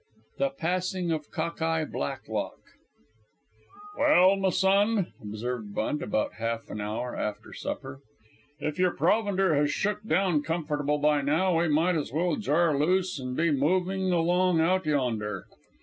THE PASSING OF COCK EYE BLACKLOCK "Well, m'son," observed Bunt about half an hour after supper, "if your provender has shook down comfortable by now, we might as well jar loose and be moving along out yonder."